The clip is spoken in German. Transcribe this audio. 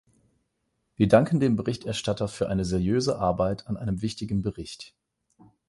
Wir danken dem Berichterstatter für eine seriöse Arbeit an einem wichtigen Bericht.